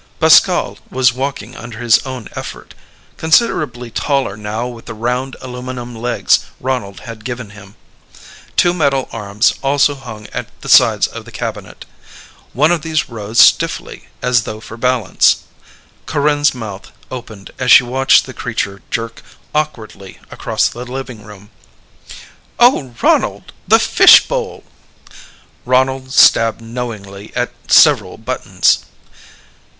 Pascal was walking under his own effort, considerably taller now with the round, aluminum legs Ronald had given him. Two metal arms also hung at the sides of the cabinet. One of these rose stiffly, as though for balance. Corinne's mouth opened as she watched the creature jerk awkwardly across the living room. "Oh, Ronald! The fishbowl!" Ronald stabbed knowingly at several buttons.